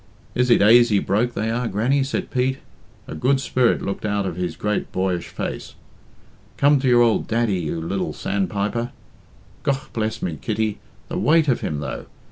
"Is it aisy broke they are, Grannie?" said Pete. A good spirit looked out of his great boyish face. "Come to your ould daddie, you lil sandpiper. Gough bless me, Kitty, the weight of him, though!